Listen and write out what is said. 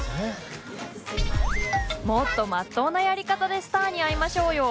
もっとまっとうなやり方でスターに会いましょうよ。